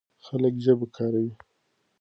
خلک ژبه کاروي.